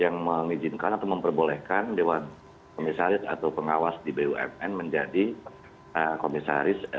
yang mengizinkan atau memperbolehkan dewan komisaris atau pengawas di bumn menjadi komisaris